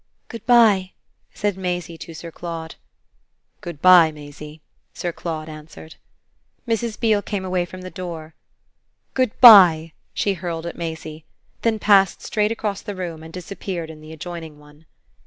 "Good bye," said Maisie to Sir Claude. "Good bye, Maisie," Sir Claude answered. Mrs. Beale came away from the door. "Goodbye!" she hurled at Maisie; then passed straight across the room and disappeared in the adjoining one.